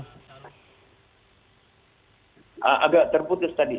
agak terputus tadi